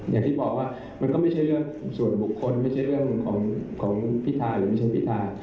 อย่างที่บอกว่ามันก็ไม่ใช่เรื่องส่วนบุคคลไม่ใช่เรื่องของพิธาหรือไม่ใช่พิธา